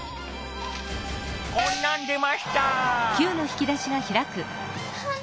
こんなん出ました。